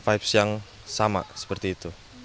vibes yang sama seperti itu